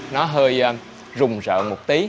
nó hơi rùng rợn một tí